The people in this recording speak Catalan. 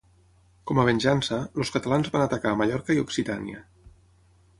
Com a venjança, els catalans van atacar Mallorca i Occitània.